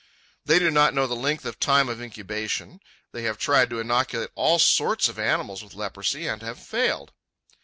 They do not know the length of time of incubation. They have tried to inoculate all sorts of animals with leprosy, and have failed.